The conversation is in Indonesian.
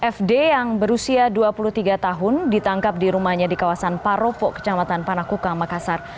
fd yang berusia dua puluh tiga tahun ditangkap di rumahnya di kawasan paropo kecamatan panakukang makassar